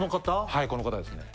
はいこの方ですね